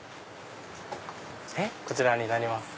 こちらになります。